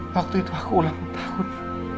waktu itu aku ulang tahun